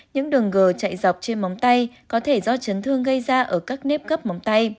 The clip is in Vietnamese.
những đường g chạy dọc trên móng tay có thể do chấn thương gây ra ở các nếp cấp móng tay